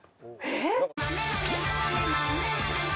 えっ？